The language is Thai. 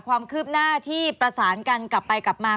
ความคืบหน้าที่ประสานกันกลับไปกลับมา